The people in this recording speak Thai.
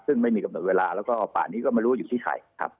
ซึ่งไม่มีกำหนดเวลาแล้วก็ป่านี้ก็ไม่รู้ว่าอยู่ที่ใครครับ